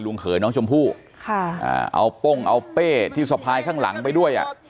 ลุงเขินน้องชมพู่เอาป้งเอาเป้ที่สะพายข้างหลังไปด้วยอะ